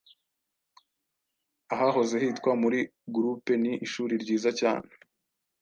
ahahoze hitwa muri Gurupe Ni ishuri ryiza cyane: